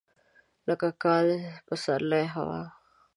لکه کال، پسرلی، هوا.